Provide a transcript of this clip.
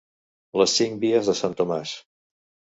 Les cinc vies de sant Tomàs.